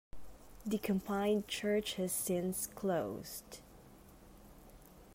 The combined church has since closed.